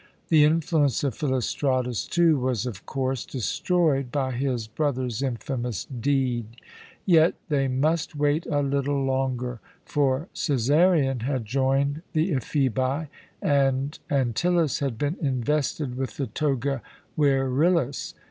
The influence of Philostratus, too, was of course destroyed by his brother's infamous deed. Yet they must wait a little longer; for Cæsarion had joined the Ephebi, and Antyllus had been invested with the toga virilis.